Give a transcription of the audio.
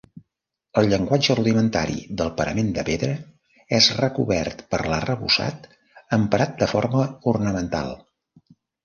El llenguatge rudimentari del parament de pedra és recobert per l'arrebossat emprat de forma ornamental.